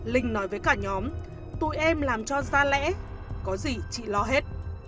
linh nói với cả nhóm tụ em làm cho ra lẽ có gì chị lo hết